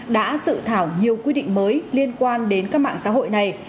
đã dự thảo nhiều quy định mới liên quan đến các mạng xã hội này